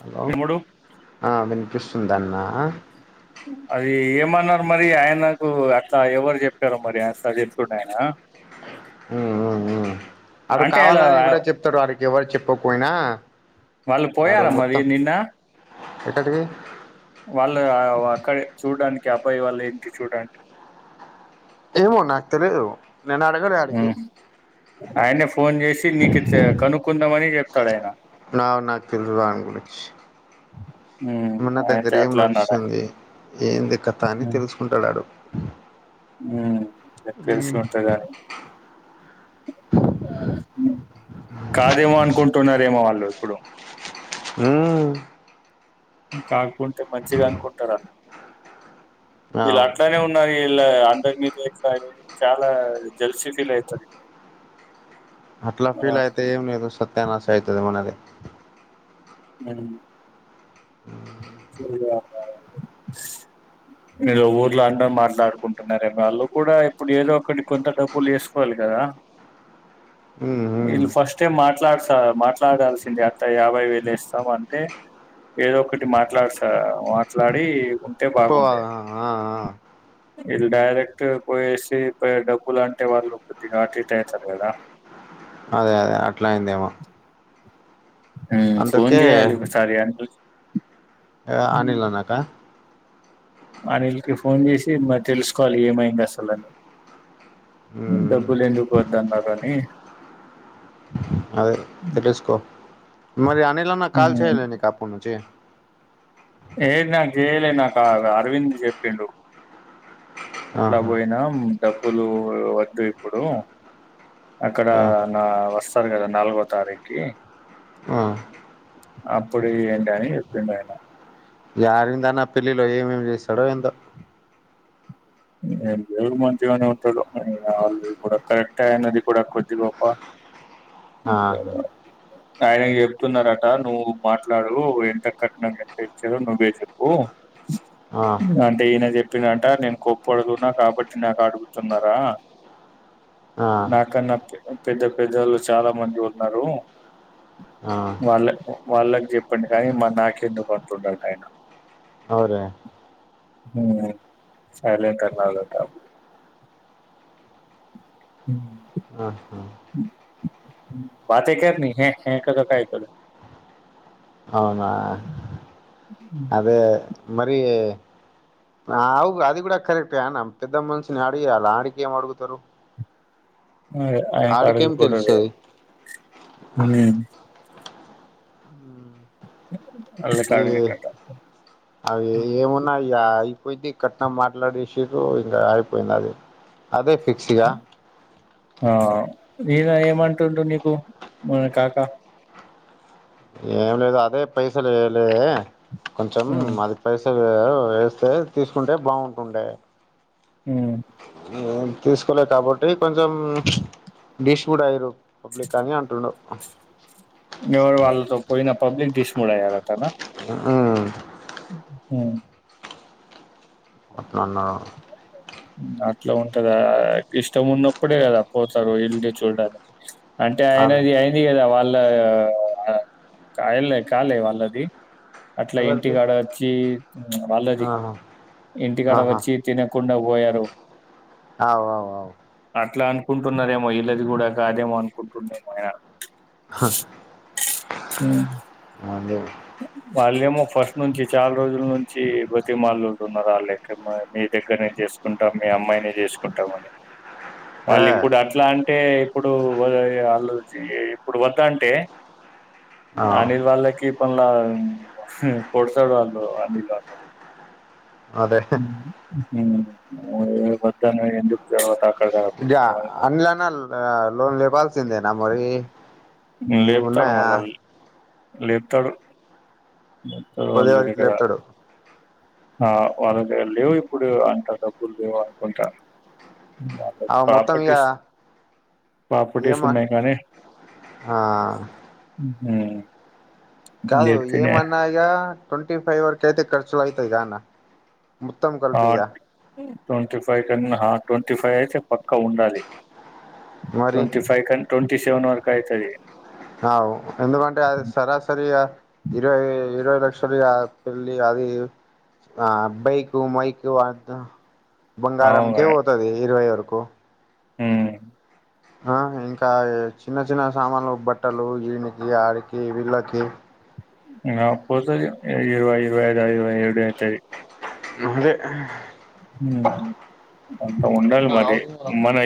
Hello భీముడు ఆ వినిపిస్తుంద అన్న అది ఏం ఏమన్నారు మరి ఆయనకు అట్లా ఎవరు చెప్పారో మరి అట్లా చెప్ండే ఆయన ఉ అడు అంటే అలా కావాలని కూడా చెప్తాడు వాడికి ఎవరు చెప్పకపోయినా వాళ్ళు ఆడు పోయారా మరి మొత్తం నిన్న ఎక్కడికి వాళ్ళు అక్కడ చూడడానికి అబ్బాయి వాళ్ళ ఏంటి చూడండి ఏమో నాకు తెలీదు ఆయనే ఫోన్ చేసి నీకు కనుక్కుందామని చెప్తాడు ఆయన [unintelligible] మ ఉమ్, నా దగ్గర అయితే ఏం అట్లా అన్నాడా నడుస్తుంది ఏంది కథ అని తెలుసుకుంటాడాడు ఉ తెలిసి ఉంటుగానీ కాదేమో అనుకుంటున్నారేమో వాళ్ళు ఇప్పుడు అ కాకుంటే మంచిగా అనుకుంటారు అ వీళ్ళు అవు అట్లానే ఉన్నారు ఇలా అందరి మీదకా చాలా జల్సీ ఫీల్ అవుతారు ఇ అట్లా ఫీల్ అయితే ఏవున సత్యానస అయితు మనది మనం శనివారం రావాలి మీరు ఊర్లో అందరూ మాట్లాడుకుంటున్నారే వాళ్ళు కూడా ఇప్పుడు ఏదో ఒకడి కొంత డబ్బులు వేసుకోవాలి కదా ఉమ్ ఉమ్ ఇల్ ఫస్ట్ [unintelligible] మాట్లాడత మాట్లాడాల్సింది అట్లా యాభై వేలు ఇస్తాం అంటే ఏదో ఒకటి మాట్ [unintelligible] సా మాట్లాడి పోవా బాగుండే ఆ వీళ్ళు డైరెక్ట్ పోయేసి డబ్బులు అంటే వాళ్ళు కొద్దిగా అట ఇట్ అవుతారు కదా అదే అదే అట్లా అయిందేమో ఫోన్ అందుకే చేయ్యాలి ఒకసారి అని అనిలోన్నాక అనిల్కి ఫోన్ చేసి మరి తెలుసుకోవాలి ఏమైంది అసలుని ఉమ్ డబ్బులు ఎందుకు పోద్ద అన్నారు అని అదే తెలిసుకో మరి అనిలన కాల ఉమ్, చేలేని కాపు నుంచి ఏది నాకు చేయలే నాకు అరవింద్ చెప్పిడు అట్లా ఆహా పోయినా డబ్బులు వద్దు ఇప్పుడు అక్కడ ఆ, నా వస్తారు కదా నాలుగో తారీకి ఆ. అప్పుడు ఏంట అని చెప్పిండ అనా ఈ అరవిందన్న పెళ్లిలో ఏమేమి చేస్తాడో ఏందో మంచిగానే ఉంట అల్ కూడా కరక్నది కూడా [unintelligible] వప్ప ఆ ఆయన చెప్తున్నారట నువ్వు మాట్లాడు ఎంత కట్న ఎంత ఇచ్చదో నువ్వే చెప్పు ఆ, అంటే ఈయన చెప్పినట నేను కొప్పు అడుగున్నా కాబట్టి నాకు అడుగుతున్నారా ఆ, నాకన్నా పెద్ద పెద్దలు చాలా మంది ఉన్నారు ఆ. వాళ్ళ వాళ్ళకి చెప్పండి కానీ మా నాక ఎందుకు అంటున్నాడు అవురే [unintelligible] కనాలట ఆహా. హ [unintelligible] అవునా అదే మరి అవుగు అది కూడా కరెక్ట్ నమ్ పెద్ద మనుషని అడిగ అలా ఆడికి అడుగుతారు అ ఆయ కాడకి ఆడికేం కూడద తెలుస్తుంది అలా ఈ కడు కట్టత అవి ఏమున్నాయ పోయిది కట్నం మాట్లాడసిరు ఇంకా అయిపోయింది అది అదే ఫిక్స్ ఇగ ఆ మీనా ఏమంటుండు నీకు మ కాకా ఏం లేదు అదే పైసలులే కొంచెం అది పైస వేస్తే తీసుకుంటే బాగుంటుండే ఉమ్ తీసుకోలేదు కాబట్టి కొంచెం బీష్డ్ ఐరోపబ్లిక్ని అంటడు ఎవరు వాళ్ళతో పోయిన పబ్లిక్ తీసుకున్నాడు [unintelligible] ఉ హ అట్లానా అట్లా ఉంటందా ఇష్టం ఉన్నప్పుడే కదా పోతారు వెళ్ద చూడానికి అంటే అదే ఆయనది అయింది కదా వాళ్ళు [unintelligible] కాల వళ్ళది అట్లా ఎవరిది ఇంటికాడ వచ్చి వాళ్ళది ఆహా ఇంటికాడ ఆహా వచ్చి తినకుండా పోయారు అవు అవువు కుంటున్నారేమో ఈల్లది కూడ కాదేమో అనుకుంటుండేమో ఆయన. హ మ్ వాళ్ళేమో ఫస్ట్ నుంచి, చాలా రోజుల నుంచి బతిమాలినట్టున్నారు. వాల్ ఎక్కడ మ, మీ దగ్గరనే చేస్ కుంటాం మీ అమ్మాయినే చేసుకుంటాం అని ఏ వాళ్ళు ఇప్పుడు అట్లాన్ అంటే ఇప్పుడు వా ఆళ్ళు జీ ఇప్పుడు వద్ద అంటే, అవు అనిల్ వాళ్ళకి, మళ్ళా కొడతారు వాళ్ళు అన్నీ ఇలా ఉన్నాయి. అదే మ్ వద్దన్నాక ఎందుకు చదవత అంటే అన్లాన లోన్ లేపాల్సిందేనా మరి! లేపుతాడు ఏమున్నాయా మల్ల. లేపుతాడు. మొత్తం అల్లుడుదే పొదివరికి కదా లేపుతాడు ఆ వాళ్ళ దగ్గర లేవు ఇప్పుడు. అంత డబ్బులు లేవు అనుకుంటా. మ్ అప్పటి అవి మొత్తం ఇక పాపటీస్, పాపటీస్ ఉన్నాయి కానీ, హా మ్హు కాదు ఏమన్నగ ట్వంటీ ఫైవ్ వరకు అయితే, ఖర్చులు అయితాయి గా అన్న! మొత్తం కలిపి ఆ ఇగ ట్వంటీ ఫైవ్ కన్నా, ట్వంటీ ఫైవ్ అయితే పక్కా ఉండాలి. మరి ట్వంటీ ఫైవ్ కన్ ట్వంటీ సెవెన్ వరకు అయితది. అవ్ ఎందుకంటే, అది సరాసరి ఇగ ఇరవై, ఇరవై లక్షలు యా పెళ్ళి అది ఆ బైకు మైకు అద్దు బంగారంకె పోతది ఇరవై వరకు. మ్ ఆ ఇంకా చిన్న చిన్న సామాన్లు బట్టలు, ఈనికి, ఆడికి, వీళ్ళకి. ఇంగ పోతది. ఇరవై, ఇరవై ఐదు ఆయ. ఇరవై ఏడు అయితది. ముందే మ్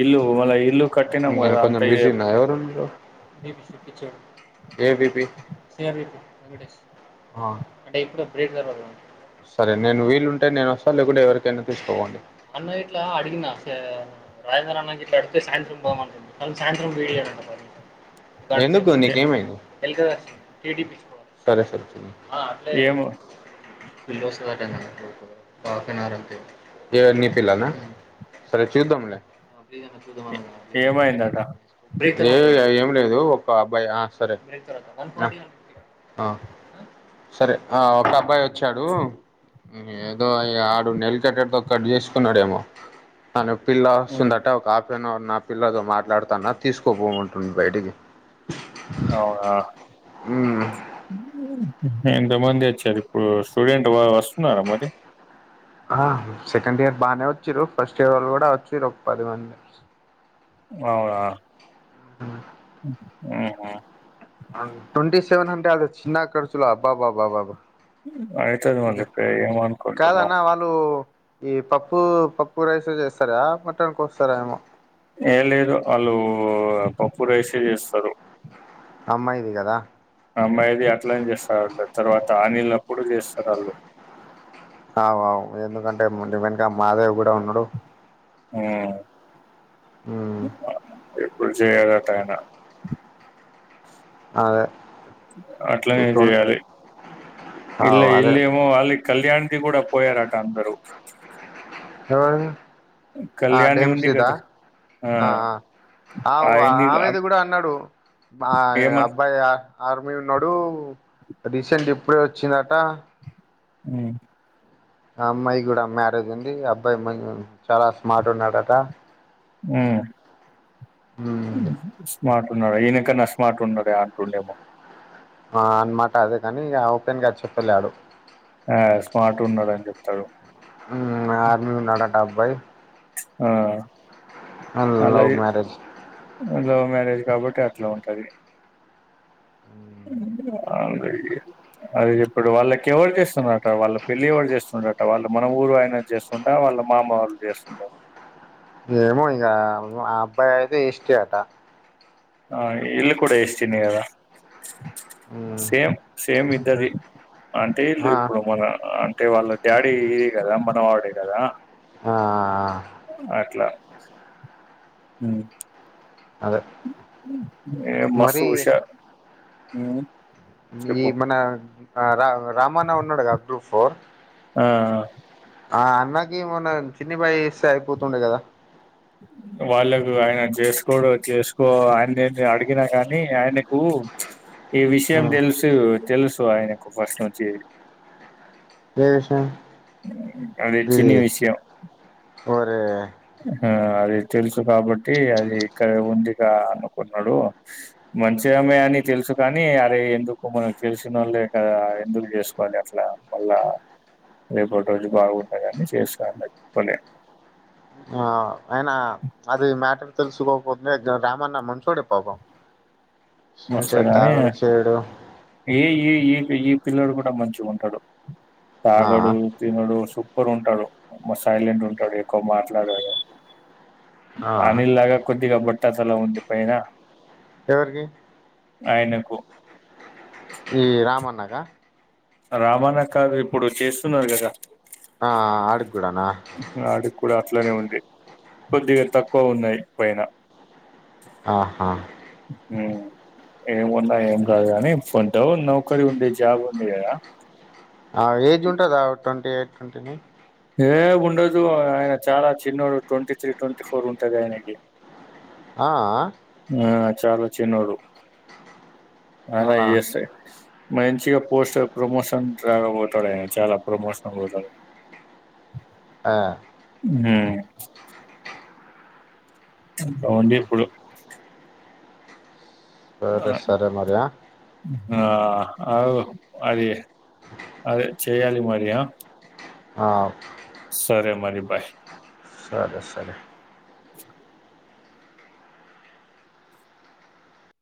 ఇల్లు మన ఇల్లు కట్టినాం నేను కదా అంత కొంచెం బిజీ ఉన్నా. ఎవరండి మీరు ఏ బీపి ఆ సరే నేను వీలుంటే నేను వస్తా లేకుంటే ఎవరికైనా పిలుచుకోపోండి. రాజేంద్ర అ ఇట్ అడుతే సాయంత్రం పోవమంది క సాయంత్రం వీడి ఎందుకు నీకేమైంది? సరె సరె చూద్దాం. ఆ అట్లే ఏమో ఎవర్ నీ పిల్లల్నా? సరే చూద్దాం లే. ఏమైందట ఏ అయేమన్ లేదు ఒక అబ్బాయి. ఆ సరే. అ. అ. సరే. ఆ ఒక అబ్బాయో వచ్చాడు. ఏదో ఆడు నెయిల్ కట్టర్ తో కట్ చేసుకున్నాడేమో! ఆ నొప్పిల్ల వస్తుందట ఒక ఆ అన నా పిల్లతో మాట్లాడతాన్న తీసుకపోమంటుండు బయటికి. అవునా! మ్మ్ ఎంత మంది వచ్చారు ఇప్పుడు? స్టూడెంట్ వ వస్తున్నారా మరి? ఆ సెకండ్ ఇయర్ బానే వచ్చిర్రు ఫస్ట్ ఇయర్ వాళ్ళు కూడ వచ్చిర్రు. ఒక పది మంది. అవునా మ్ మ్హు మ్ హు ట్వంటీ సెవెన్ అంటే, అది చిన్న ఖర్చుల అబ్బాబబ్బాబాబ ఉమ్ అయితది మళ్లీ ప్ కాదన్న ఏమనుకుంటున్నవ్. వాళ్ళు ఈ పప్పు పప్పు రైస్తో చేస్తారా మటన్ కోస్తారేమో ఏం లేదు వాళ్ళు పప్పు రైసే చేస్తారు. అమ్మాయిది కదా. అమ్బాయిది అట్లనే చేస్తాండె తర్వాత ఆనిళ్ళ అప్పుడు చేస్తారు ఆళ్ళు అవుఆవ్ ఎందుకంటే ముందు వెన్క మాదేవి కూడా ఉన్నడు. ఉమ్ ఉమ్ ఇప్పుడు చేయడట ఆయన అదే అట్లనేే చేయ్యాలి. ఇల్లె అవు అదే ఈల్లేమో ఆళ్ళ కళ్యాణ్ది కూడా పోయారట అందరూ ఎవరిది ఆ కళ్యాణి ఉంది దేమ్సిదా? కదా ఆ ఆ ఆవొ ఆయన్ని ఆమెది కూడా అన్నాడు ఆ ఏమ అబ్బాయి ఆర్మీ ఉన్నాడు రీసెంట్ ఇప్పుడే వచ్చిందట. ఉమ్ ఆ అమ్మాయి కూడా మ్యారేజ్ ఉంది. అబ్బాయి మం చాలా స్మార్ట్ ఉన్నాడట. మ్ ఉమ్ స్మార్ట్ న్నాడు ఈయనకన్నా స్మాట్ ఉండటగా అంటుండేమో. ఆ అనమాట అదే కాని ఇక ఓపెన్ గా చెప్పలే ఆడు ఆ స్మార్ట్ ఉన్నాడని చెప్తాడు. అబ్బాయ్ ఆ అలా లవ్ మ్యారేజ్ లవ్ మ్యారేజ్ కాబట్టి అట్లే ఉంటది. [unintelligible] అదే చెప్పడు వాళ్ళకి ఎవరు చేస్తురట వాళ్ళు పెళ్లి ఎవరు చేస్తురట వాళ్ళ మన ఊరు ఆయన చేస్తుంటా వాళ వాళ్ళ మామ వాళ్ చేస్తుండ్రా? ఏమో ఇంక మా అబ్బాయి అయితే ఎస్టీ అట ఆ ఈళ్ళు కూడా ఎస్టీనే కదా. మ్మ్ సేమ్ సేమ్ ఇద్దది అంటే ఈల్ ఆ ఇప్పుడు మన అంటే వాళ్ళ డాడీ ఇదేగదా మనవాడే కదా ఆ అట్లా మ్ అదే ఏ మస్త్ మరి ఉషా ఊ ఈ మన రా రామన్న ఉన్నాడు కదా ట్రూఫో ఆ ఆ ఆ అన్నాకి మొన్న చిన్ని బయి ఇస్తే అయిపోతుండే కదా. వాళ్ళకు ఆయన చేసుకోడు చేసుకో ఆయన నేను అడిగినా కాని ఆయనే కు ఈ విషయం తెలుసు తెలుసు ఆయనకు ఫస్ట్నుంచి ఏ విషయం అదే ఇది చిన్ని విషయం ఒరే ఆ అది తెలుసు కాబట్టి అది ఇక్కడ ఉందికా అనుకున్నాడు. మంచి ఆమే అని తెలుసు కాని అరే ఎందుకు మనకు తెలిసిన వాళ్ళే కదా ఎందుకు చేసుకోవాలి అట్లా మళ్ళా రేపటి రోజు బాగుంట కాని చేస్కో అని చెప్పలే ఆ అయినా అది మ్యాటర్ తెలుసుకోకుండే రామన్న మంచోడే పోపం [inaudible] మస్త కానీ ఈ ఈ ఈ ఈపే పిల్లడు కూడా మంచిగా ఉంటడు ఆ తాగడు తినడు సుప్ పర్ ఉంటాడు సైలెంట్ ఉంటాడు ఎక్కువ మాట్లాడడు. అనీల్ లాగా కొద్దిగా బట్ట తల ఉంది పైన ఎవరికి ఆయనకు ఈ రామన్న క రామాన్న కాక ఇప్పుడు చేస్తున్నారు కదా ఆ ఆడి కుడానా ఆడికి కూడా అట్లనే ఉంది కొద్దిగా తక్కువ ఉన్నాయి పైన ఆహా ఉ ఏం ఉన్నా ఏం కాదు కాని కొంచెం నౌకరీ ఉంది జాబ్ ఉంది కదా ఏజ్ ఉంటుందా ట్వంటీ ఎయిట్ ట్వంటీని ఏ ఉండదు ఆయన చాలా చిన్నడు ట్వంటీ త్రీ ట్వంటీ ఫోర్ ఉంటది ఆయనకి ఆ ఆ ఆ చాలా చిన్నాడు ఆయన అవునా ఏఎస్ఐ మంచిగా పోస్ట్ ప్రమోషన్ రా పోతాడు చాలా ప్రమోషన్ పోతాడు ఆ ఉ అవుండి ఇప్పుడు ఆహా. సరే సరే మరీ ఆ ఆ అ అది అది చెయాలి మరి ఆ సరే మరి బై సరే సరే చ్